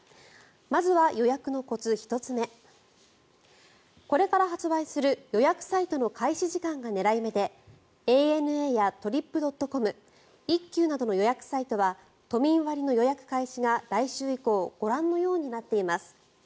まずは予約のコツ、１つ目これから発売する予約サイトの開始時間が狙い目でＡＮＡやトリップドットコム一休などの予約サイトは都民割の予約開始が来週以降ご覧のようになっています。